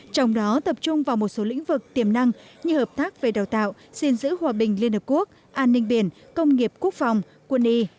trong đó tập trung vào một số lĩnh vực tiềm năng như hợp tác về đào tạo xin giữ hòa bình liên hợp quốc an ninh biển công nghiệp quốc phòng quân y